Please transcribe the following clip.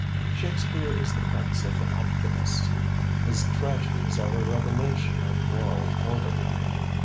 Shakespeare is the prince of optimists. His tragedies are a revelation of moral order.